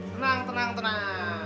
tenang tenang tenang